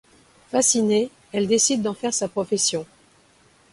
Fascinée, elle décide d'en faire sa profession.